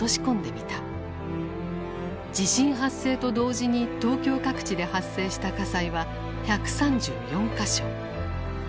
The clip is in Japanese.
地震発生と同時に東京各地で発生した火災は１３４か所。